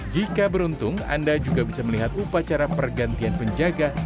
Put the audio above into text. jika beruntung anda juga bisa melihat upacara pergantian penjaga